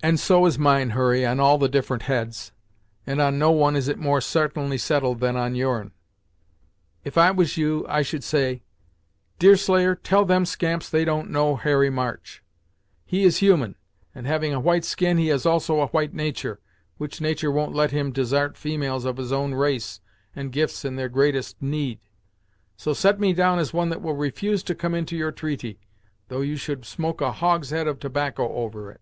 "And so is mine, Hurry, on all the different heads, and on no one is it more sartainly settled that on your'n. If I was you, I should say 'Deerslayer, tell them scamps they don't know Harry March! He is human; and having a white skin, he has also a white natur', which natur' won't let him desart females of his own race and gifts in their greatest need. So set me down as one that will refuse to come into your treaty, though you should smoke a hogshead of tobacco over it.'"